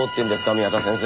宮田先生。